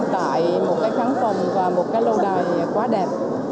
tại một cái kháng phòng và một cái lâu đài quá đẹp